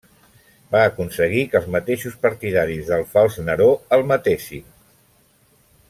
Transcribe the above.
Va aconseguir que els mateixos partidaris del fals Neró el matessin.